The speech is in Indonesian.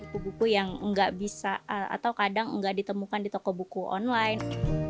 buku buku yang nggak bisa atau kadang nggak ditemukan di toko buku online